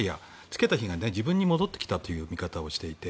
つけた火が自分に戻ってきたという表現をしていて。